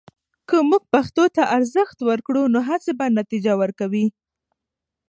که موږ پښتو ته ارزښت ورکړو، نو هڅې به نتیجه ورکوي.